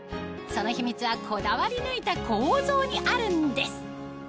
その秘密はこだわり抜いた構造にあるんです